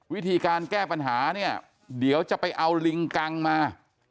วิธีการแก้ปัญหาเนี่ยเดี๋ยวจะไปเอาลิงกังมา